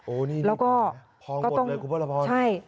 โอ้นี่นี่แผลพองหมดเลยครับครับพระพรแล้วก็ใช่